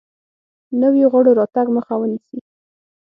نویو غړو راتګ مخه ونیسي.